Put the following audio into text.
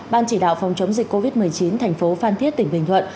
ban chỉ đạo phòng chống dịch covid một mươi chín tp phan thiết tỉnh bình thuận